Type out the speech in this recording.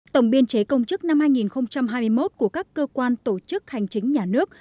tổng biên chế công chức năm hai nghìn hai mươi một của các cơ quan tổ chức hành chính nhà nước